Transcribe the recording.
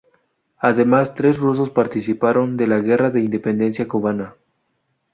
Además, tres rusos participaron de la Guerra de Independencia cubana.